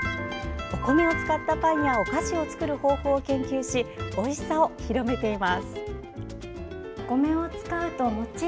お米を使ったパンやお菓子を作る方法を研究しおいしさを広めています。